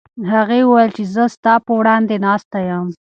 هغې وویل چې زه ستا په وړاندې ناسته یم.